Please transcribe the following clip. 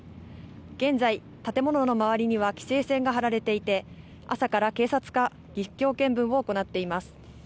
現在、建物の周りには規制線が張られていて、朝から警察が実況見分を行っています。